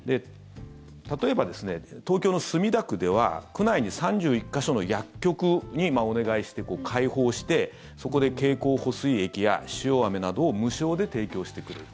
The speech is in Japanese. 例えば、東京の墨田区では区内の３１か所の薬局にお願いして、開放してそこで経口補水液や塩アメなどを無償で提供してくれる。